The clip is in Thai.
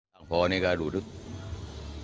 ไม่สงสารจะพิธีใจแบบนี้ลูกครับ